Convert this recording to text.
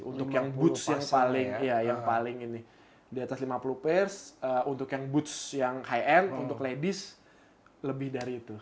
untuk yang boots yang paling ini di atas lima puluh pers untuk yang boots yang high end untuk ladies lebih dari itu